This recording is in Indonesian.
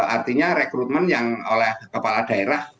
artinya rekrutmen yang oleh kepala daerah